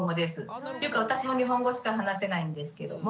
ていうか私も日本語しか話せないんですけども。